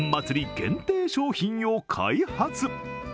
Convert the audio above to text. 限定商品を開発。